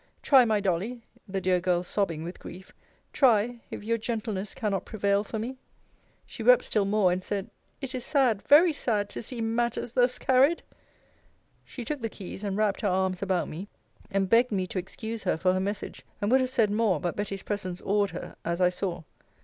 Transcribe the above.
Try, my Dolly, [the dear girl sobbing with grief;] try if your gentleness cannot prevail for me. She wept still more, and said, It is sad, very sad, to see matters thus carried! She took the keys, and wrapped her arms about me; and begged me to excuse her for her message; and would have said more; but Betty's presence awed her, as I saw.